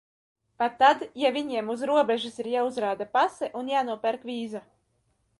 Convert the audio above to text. Pat tad, ja viņiem uz robežas ir jāuzrāda pase un jānopērk vīza.